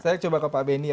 saya coba ke pak benny